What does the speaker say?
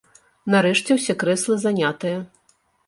Нарэшце ўсе крэслы занятыя.